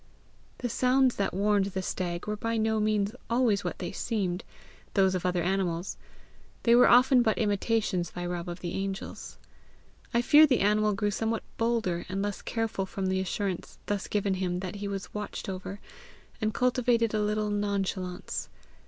The sounds that warned the stag were by no means always what they seemed, those of other wild animals; they were often hut imitations by Rob of the Angels. I fear the animal grew somewhat bolder and less careful from the assurance thus given him that he was watched over, and cultivated a little nonchalance.